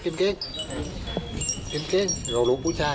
เก็บแค่ของลูกผู้ชาย